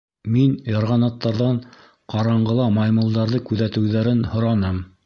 Мин ярғанаттарҙан ҡараңғыла маймылдарҙы күҙәтеүҙәрен һораным.